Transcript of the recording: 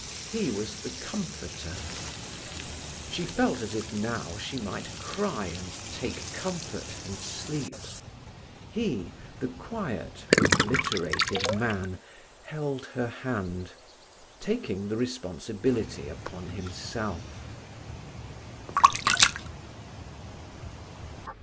He was the comforter. She felt as if now she might cry and take comfort and sleep. He, the quiet, obliterated man, held her hand, taking the responsibility upon himself.